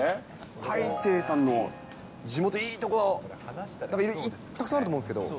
大勢さんの地元、いいところ、なんかたくさんあると思うんですけど。